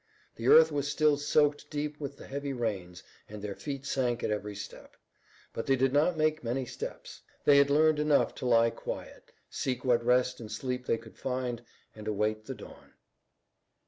The earth was still soaked deep with the heavy rains and their feet sank at every step. But they did not make many steps. They had learned enough to lie quiet, seek what rest and sleep they could find, and await the dawn.